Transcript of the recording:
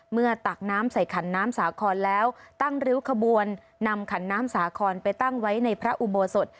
ตักน้ำใส่ขันน้ำสาครแล้วตั้งริ้วขบวนนำขันน้ำสาครไปตั้งไว้ในพระอุโบสถ